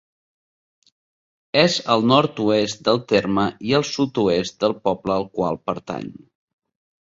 És al nord-oest del terme i al sud-oest del poble al qual pertany.